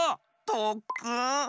とっくん